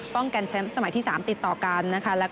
กันแชมป์สมัยที่๓ติดต่อกันนะคะ